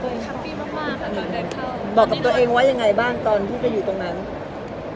บอกกับตัวเองว่ายังไงบ้างตอนที่จะอยู่ตรงนั้น